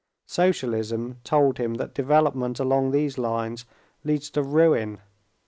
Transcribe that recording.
Socialism told him that development along these lines leads to ruin.